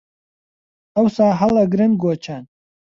ئەوسا هەڵ ئەگرن گۆچان